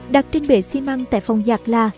đặt trên bể xi măng tại phòng giạc la